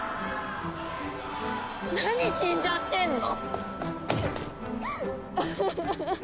何死んじゃってんの！